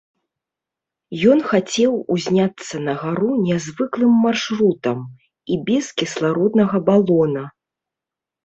Ён хацеў узняцца на гару нязвыклым маршрутам і без кіслароднага балона.